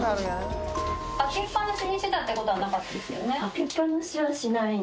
開けっ放しにしてたってことはなかったですよね。